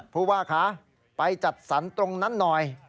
พ่อพ่อค่ะไปจัดสรรตรงนั้นหน่อย